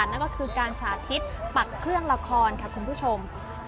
นั่นก็คือการสาธิตปักเครื่องละครค่ะคุณผู้ชม